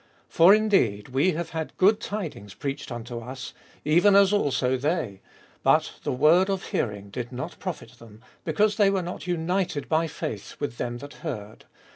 2. For indeed we have had good tidings preached unto us, even as also they: but the word of hearing did not profit them, because they were1 not united by faith with them that heard.